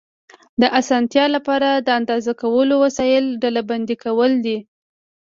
د اسانتیا له پاره، د اندازه کولو وسایل ډلبندي کوو.